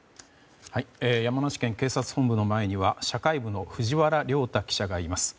山梨県警察本部の前には社会部の藤原良太記者がいます。